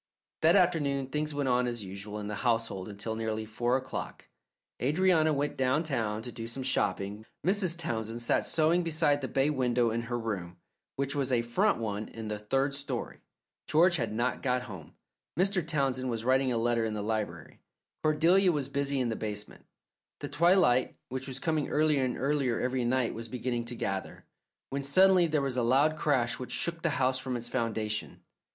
That afternoon things went on as usual in the household until nearly four o'clock. Adrianna went downtown to do some shopping. Mrs. Townsend sat sewing beside the bay window in her room, which was a front one in the third story. George had not got home. Mr. Townsend was writing a letter in the library. Cordelia was busy in the basement; the twilight, which was coming earlier and earlier every night, was beginning to gather, when suddenly there was a loud crash which shook the house from its foundations.